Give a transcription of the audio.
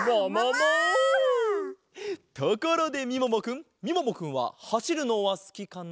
ところでみももくんみももくんははしるのはすきかな？